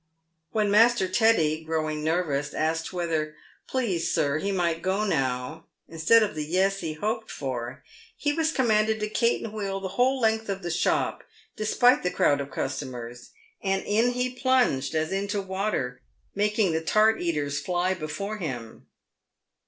"When Master Teddy, growing nervous, asked whether " Please, sir, he might go now," instead of the " Yes" he hoped for, he was commanded to caten wheel the whole length of the shop, despite the crowd of customers, and in he plunged, as into water, making the tart eaters fly before him.